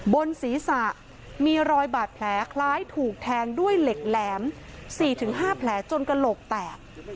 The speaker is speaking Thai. บนศีรษะมีรอยบาดแผลคล้ายถูกแทงด้วยเหล็กแหลม๔๕แผลจนกระโหลกแตก